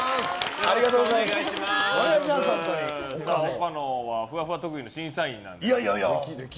岡野はふわふわ特技の審査員なんですね。